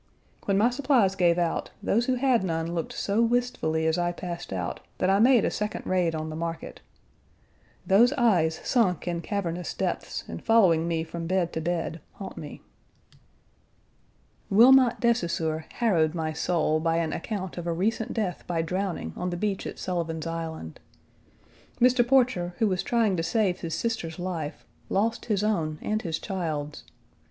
When my supplies gave out, those who had none looked so wistfully as I passed out that I made a second raid on the market. Those eyes sunk in cavernous depths and following me from bed to bed haunt me. Wilmot de Saussure, harrowed my soul by an account of a recent death by drowning on the beach at Sullivan's Island. Mr. Porcher, who was trying to save his sister's life, lost his own and his child's.